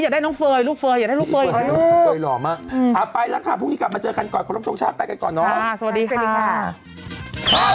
ไปแล้วค่ะพี่เฟย์หล่อมากไปแล้วค่ะพรุ่งนี้กลับมาเจอกันก่อนขอบคุณผู้ชมชาติไปกันก่อนเนอะ